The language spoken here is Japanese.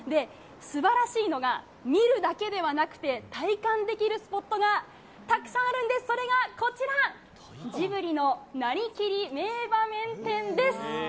すばらしいのが見るだけではなくて、体験できるスポットがたくさんあるんです、それがこちら、ジブリのなりきり名場面展です。